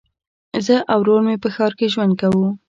زه او ورور مي په ښار کي ژوند کوو.